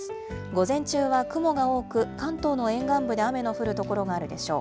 午前中は雲が多く、関東の沿岸部で雨の降る所があるでしょう。